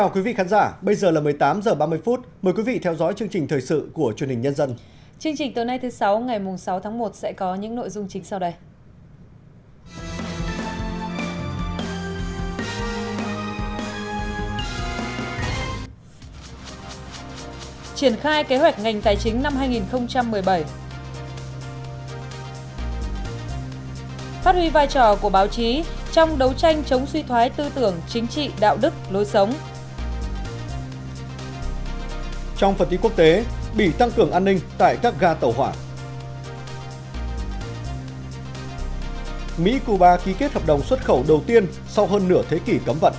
chương trình tối nay thứ sáu ngày sáu tháng một sẽ có những nội dung chính sau đây